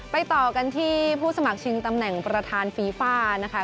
ต่อกันที่ผู้สมัครชิงตำแหน่งประธานฟีฟ่านะคะ